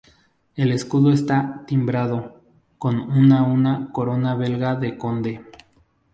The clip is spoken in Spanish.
El escudo está "timbrado" con una una corona belga de conde.